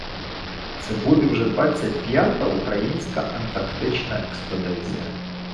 Це буде вже двадцять п'ята українська антарктична експедиція.